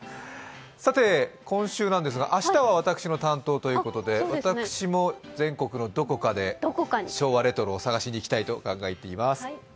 今週なんですが明日は私の担当ということで、私も全国のどこかで昭和レトロを探していきたいと思います。